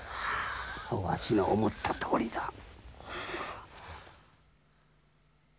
わしの思ったとおりだ。